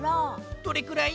どれくらい？